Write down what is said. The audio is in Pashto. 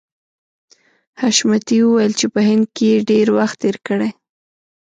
حشمتي وویل چې په هند کې یې ډېر وخت تېر کړی